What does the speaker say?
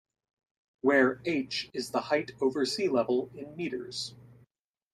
Where "h" is the height over sea level in meters.